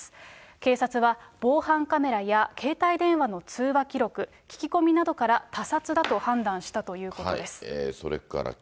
警察は、防犯カメラや携帯電話の通話記録、聞き込みなどから、他殺だと判断したということです。